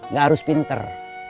gak harus pinter